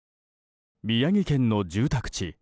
宮城県の住宅地。